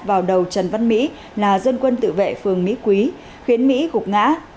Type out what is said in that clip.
vào đầu trần văn mỹ là dân quân tự vệ phường mỹ quý khiến mỹ gục ngã